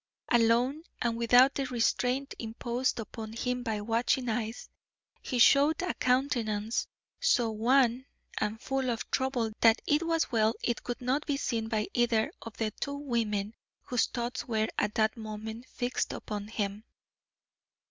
Alone and without the restraint imposed upon him by watching eyes, he showed a countenance so wan and full of trouble that it was well it could not be seen by either of the two women whose thoughts were at that moment fixed upon him.